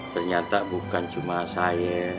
ternyata bukan cuma saya